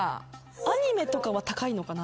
アニメとかは高いのかな？